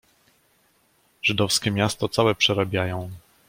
"Żydowskie miasto całe przerabiają."